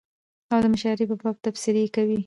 او دمشاعرې په باب تبصرې کول